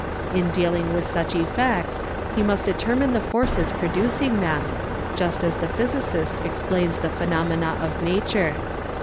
In dealing with such effects he must determine the forces producing them, 224 THE EXPERT just as the physicist explains the phenomena of nature.